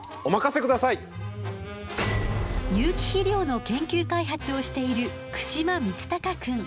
有機肥料の研究開発をしている串間充崇くん。